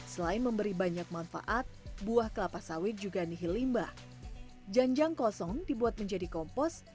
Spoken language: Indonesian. selain memberi banyak manfaat buah kelapa sawit juga diperoleh